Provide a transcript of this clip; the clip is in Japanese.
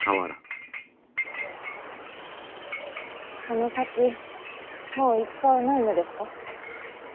この先もう戦はないのですか？